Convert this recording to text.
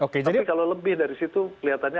tapi kalau lebih dari situ kelihatannya